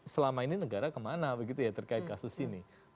selama ini negara kemana begitu ya terkait kasus ini